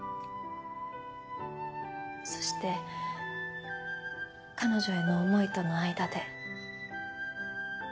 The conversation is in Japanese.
そして彼女への思いとの間で。